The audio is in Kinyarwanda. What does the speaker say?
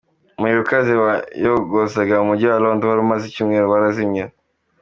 Umuriro ukaze wayogozaga umujyi wa londres wari umaze icyumweru warazimye.